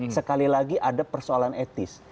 sekali lagi ada persoalan etis